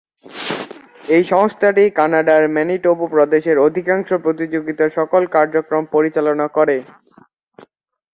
এই সংস্থাটি কানাডার ম্যানিটোবা প্রদেশের অধিকাংশ প্রতিযোগিতার সকল কার্যক্রম পরিচালনা করে।